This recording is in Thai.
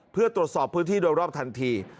เพื่อตรวจสอบพื้นที่โดยรอบทันที